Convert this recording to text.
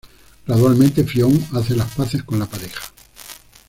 Gradualmente Fionn haces las paces con la pareja.